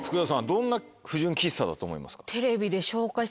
どんな不純喫茶だと思いますか？